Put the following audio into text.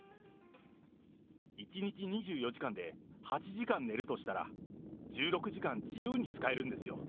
１日２４時間で８時間寝るとしたら、１６時間自由に使えるんですよ。